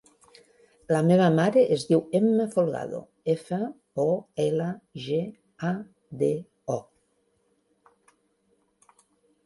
La meva mare es diu Emma Folgado: efa, o, ela, ge, a, de, o.